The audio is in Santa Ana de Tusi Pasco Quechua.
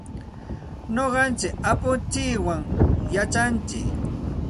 Nuqanchik apuntsikwan yachantsik.